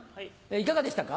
いかがでしたか？